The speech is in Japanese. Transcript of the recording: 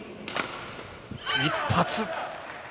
一発。